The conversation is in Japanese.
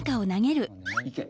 いけ！